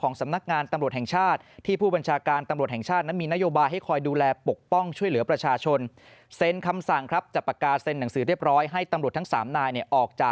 ของสำนักงานตำรวจแห่งชาติที่ผู้บัญชาการตำรวจแห่งชาติ